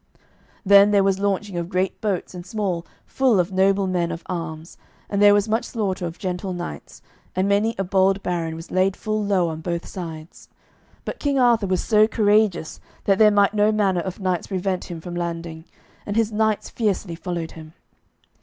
Then there was launching of great boats and small, full of noble men of arms, and there was much slaughter of gentle knights, and many a bold baron was laid full low on both sides. But King Arthur was so courageous that there might no manner of knights prevent him from landing, and his knights fiercely followed him.